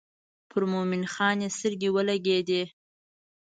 پر مومن خان یې سترګې ولګېدې.